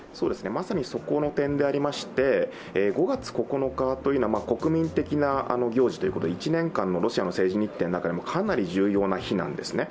まさにそこの点でありまして、５月９日というのは国民的な行事ということで、１年間のロシアの政治日程の中でもかなり重要な日なんですよね。